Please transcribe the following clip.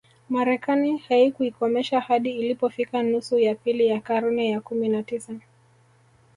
Marekani haikuikomesha hadi ilipofika nusu ya pili ya karne ya kumi na tisa